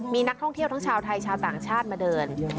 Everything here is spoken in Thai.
มีนักท่องเที่ยวทั้งชาวไทยชาวต่างชาติมาเดิน